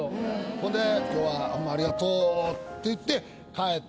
ほんで「今日はありがとう」って言って帰った。